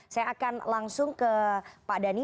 saya akan langsung ke pak dhani